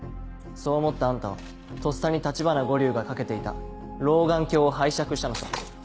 そう思ったあんたはとっさに橘五柳が掛けていた老眼鏡を拝借したのさ。